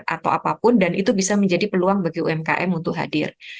atau apapun dan itu bisa menjadi peluang bagi umkm untuk hadir